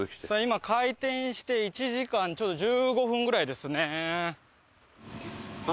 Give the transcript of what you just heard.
今開店して１時間１５分ぐらいですね。